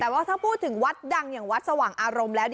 แต่ว่าถ้าพูดถึงวัดดังอย่างวัดสว่างอารมณ์แล้ว